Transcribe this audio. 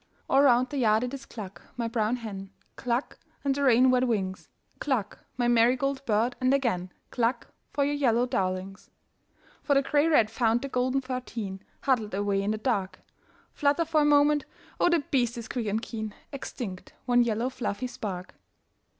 All round the yard it is cluck, my brown hen, Cluck, and the rain wet wings, Cluck, my marigold bird, and again Cluck for your yellow darlings. For the grey rat found the gold thirteen Huddled away in the dark, Flutter for a moment, oh the beast is quick and keen, Extinct one yellow fluffy spark.